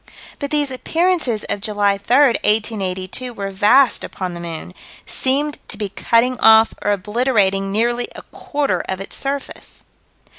But these appearances of July 3, 1882, were vast upon the moon "seemed to be cutting off or obliterating nearly a quarter of its surface."